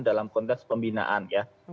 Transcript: dalam konteks pembinaan ya